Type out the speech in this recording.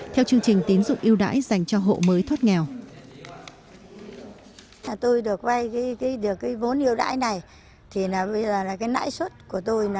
theo chương trình tín dụng yêu đãi dành cho hộ mới thoát nghèo